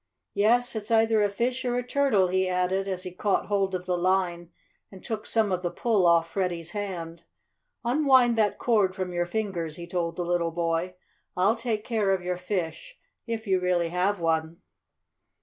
"Yes, it's either a fish or a turtle," he added as he caught hold of the line and took some of the pull off Freddie's hand. "Unwind that cord from your fingers," he told the little boy. "I'll take care of your fish if you really have one."